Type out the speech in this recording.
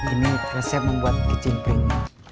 ini resep membuat kecing pring